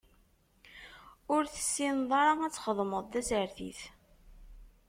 Ur tessineḍ ara ad txedmeḍ tasertit.